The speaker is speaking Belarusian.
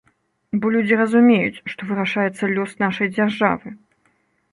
Бо людзі разумеюць, што вырашаецца лёс нашай дзяржавы.